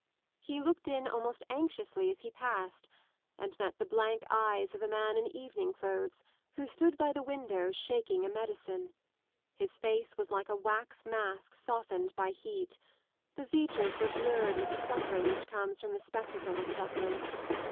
He looked in almost anxiously as he passed, and met the blank eyes of a man in evening clothes who stood by th^ window shaking a medicine. His face was like a wax mask softened by heat : the features were blurred with the suffering which comes from the spectacle of suffering.